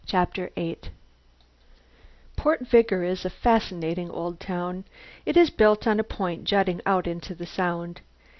CHAPTER EIGHT Port Vigor is a fascinating old town. It is built on a point jutting out into the Sound.